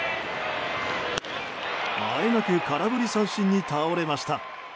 あえなく空振り三振に倒れました。